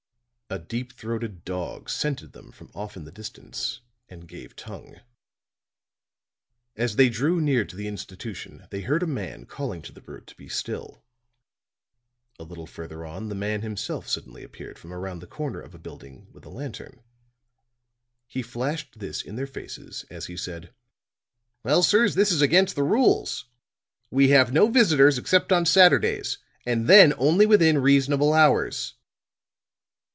A deep throated dog scented them from off in the distance and gave tongue. As they drew near to the institution they heard a man calling to the brute to be still. A little further on the man himself suddenly appeared from around the corner of a building with a lantern; he flashed this in their faces as he said: "Well, sirs, this is against the rules. We have no visitors except on Saturdays; and then only within reasonable hours."